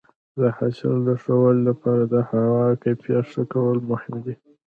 د حاصل د ښه والي لپاره د هوا کیفیت ښه کول مهم دي.